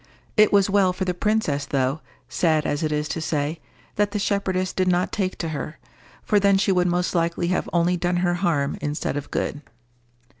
It was well for the princess, though, sad as it is to say, that the shepherdess did not take to her, for then she would most likely have only done her harm instead of good.